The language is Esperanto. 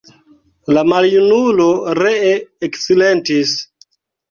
La maljunulo ree eksilentis.